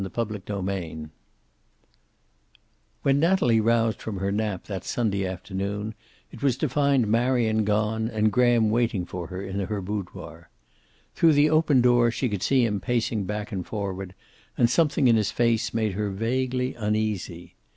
CHAPTER XXVIII When Natalie roused from her nap that Sunday afternoon, it was to find Marion gone, and Graham waiting for her in her boudoir. Through the open door she could see him pacing back and forward and something in his face made her vaguely uneasy.